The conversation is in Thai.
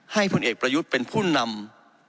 พลเอกประยุทธ์เป็นผู้นำ